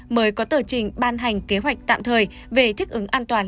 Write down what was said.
mới có tờ trình ban hành kế hoạch tạm thời về thích ứng an toàn